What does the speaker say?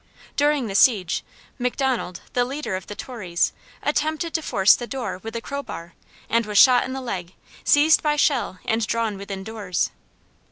During the siege, McDonald, the leader of the Tories, attempted to force the door with, a crow bar, and was shot in the leg, seized by Shell, and drawn within doors.